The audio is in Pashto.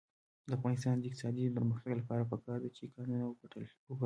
د افغانستان د اقتصادي پرمختګ لپاره پکار ده چې کانونه وپلټل شي.